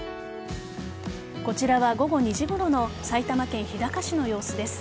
こちらは午後２時ごろの埼玉県日高市の様子です。